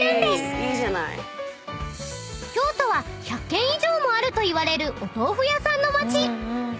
［京都は１００軒以上もあるといわれるお豆腐屋さんの街］